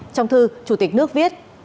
trong thư chủ tịch nước viết